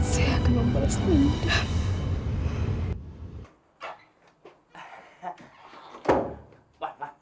saya akan membalasnya mudah